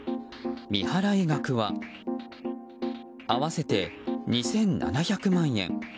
未払い額は合わせて２７００万円。